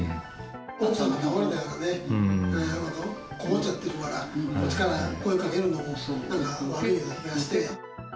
奥さんが倒れてからね、こもっちゃってるから、こっちから声かけるのも悪い気がして。